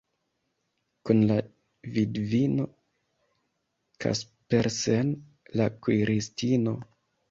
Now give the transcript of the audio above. Kun la vidvino Kaspersen, la kuiristino.